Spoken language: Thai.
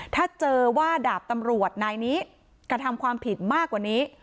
ถ้าเจอว่าดาบตำรวจนายนี้กระทำความผิดมากกว่านี้